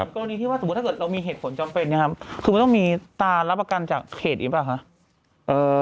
กรณีที่ว่าสมมุติถ้าเกิดเรามีเหตุผลจำเป็นนะครับคือมันต้องมีตารับประกันจากเขตอีกหรือเปล่าคะ